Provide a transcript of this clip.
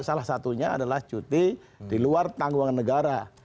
salah satunya adalah cuti di luar tanggungan negara